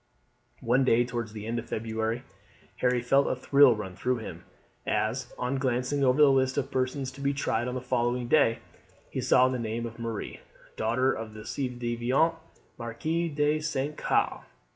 One day towards the end of February Harry felt a thrill run through him as, on glancing over the list of persons to be tried on the following day, he saw the name of Marie, daughter of the ci devant Marquis de St. Caux.